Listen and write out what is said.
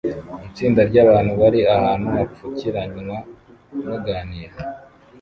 Itsinda ryabantu bari ahantu hapfukiranwa baganira